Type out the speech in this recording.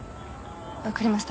分かりました